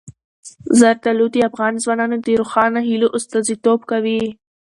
زردالو د افغان ځوانانو د روښانه هیلو استازیتوب کوي.